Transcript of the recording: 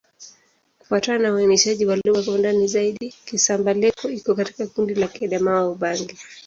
Kufuatana na uainishaji wa lugha kwa ndani zaidi, Kisamba-Leko iko katika kundi la Kiadamawa-Ubangi.